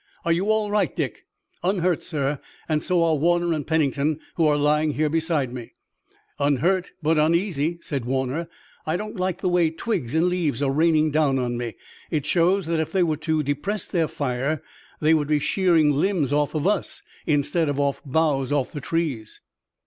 "Are you all right, Dick?" "Unhurt, sir, and so are Warner and Pennington, who are lying here beside me." "Unhurt, but uneasy," said Warner. "I don't like the way twigs and leaves are raining down on me. It shows that if they were to depress their fire they would be shearing limbs off of us instead of boughs off the trees."